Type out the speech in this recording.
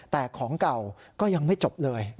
แต่ของเก่าก็ยังไม่จบเลย